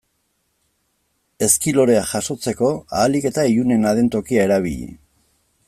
Ezki lorea jasotzeko ahalik eta ilunena den tokia erabili.